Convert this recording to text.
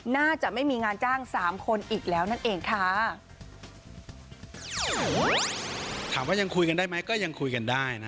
ถามว่ายังคุยกันได้ไหมก็ยังคุยกันได้